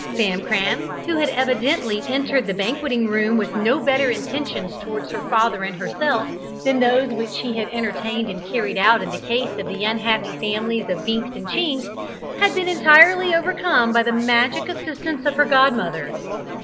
Famcram, who had evidently entered the banqueting room with no better intentions towards her father and herself than those which he had entertained and carried out in the case of the unhappy families of Binks and Chinks, had been entirely overcome by the magic assistance of her godmother.